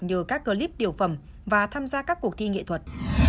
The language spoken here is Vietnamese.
nhờ các clip tiểu phẩm và tham gia các cuộc thi nghệ thuật